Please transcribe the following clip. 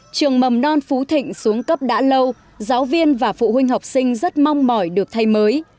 trường mầm non phú thịnh xuống cấp đã lâu giáo viên và phụ huynh học sinh rất mong mỏi được thay mới